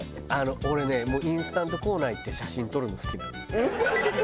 俺ねインスタントコーナー行って写真撮るの好きなの。